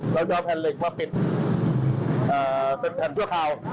เราจะเอาแผ่นเหล็กมาปิดเป็นแผ่นชั่วคราว